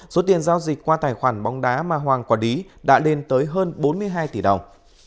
số tiền giao dịch qua tài khoản bóng đá mà hoàng quản lý đã lên tới hơn bốn mươi hai tỷ đồng